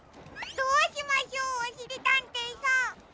どうしましょうおしりたんていさん。